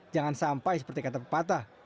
jangan sampai seperti kata pepatah